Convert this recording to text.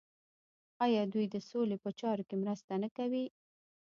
آیا دوی د سولې په چارو کې مرسته نه کوي؟